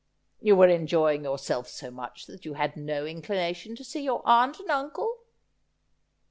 ' You were enjoying yourself so much that you had no in clination to see your aunt and uncle